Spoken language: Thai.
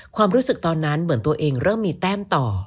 ความรู้สึกตอนนั้นเหมือนตัวเองเริ่มมีแต้มต่อ